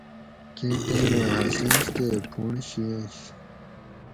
کیں ٹیمہ ہسینش تے پُھونڑ شیاۤنش